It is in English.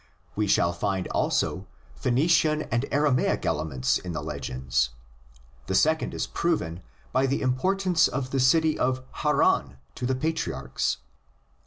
We shall find also Phoeni cian and Aramaic elements in the legends; the second is proven by the importance of the city of Haran to the patriarchs.